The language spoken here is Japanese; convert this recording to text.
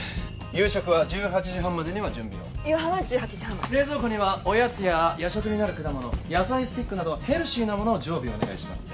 夕食は１８時半までには準備を夕飯は１８時半まで冷蔵庫にはおやつや夜食になる果物野菜スティックなどヘルシーな物を常備お願いします